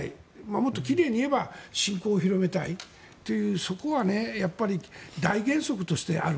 もっと奇麗に言えば信仰を広めたいという、そこは大原則としてある。